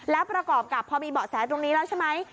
แล้วประกอบกับพอมีเบาะแสตรงนี้แล้วใช่ไหม